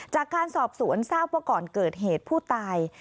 จากการสอบสวนทราบว่าก่อนเกิดเหตุผู้ตาย